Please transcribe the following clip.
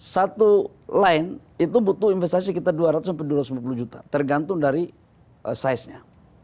satu line itu butuh investasi kita dua ratus lima puluh juta tergantung dari size nya